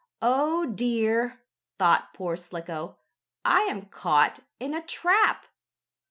"Oh dear!" though Poor Slicko. "I am caught in a trap!